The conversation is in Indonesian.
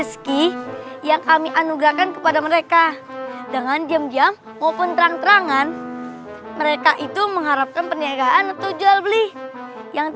semoga yg kes principal beangan ini cocok senang